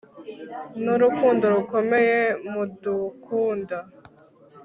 n'urukundo rukomeye mudukunda